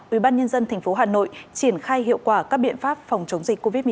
ubnd tp hà nội triển khai hiệu quả các biện pháp phòng chống dịch covid một mươi chín